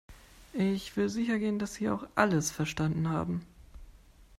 Ich will sicher gehen, dass Sie auch alles verstanden haben.